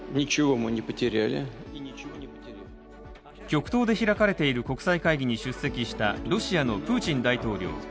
極東で開かれている国際会議に出席したロシアのプーチン大統領。